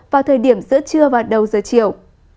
vào thời điểm giữa trưa và đầu giờ chiều